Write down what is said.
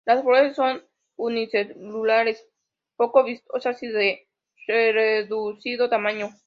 Las flores son unisexuales, poco vistosas y de reducido tamaño.